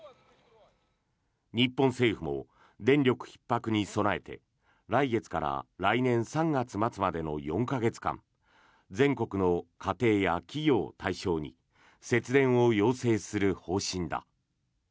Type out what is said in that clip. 日本政府も電力ひっ迫に備えて来月から来年３月末までの４か月間全国の家庭や企業を対象に節電を要請する方針だ。